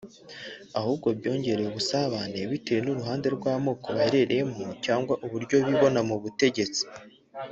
ahubwo byongera ubusumbane bitewe n’uruhande rw’amoko baherereyemo cyangwa uburyo bibona mubutegetsi